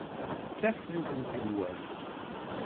D tafrut n tenwalt.